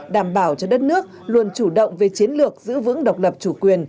đảm bảo cho đất nước luôn chủ động về chiến lược giữ vững độc lập chủ quyền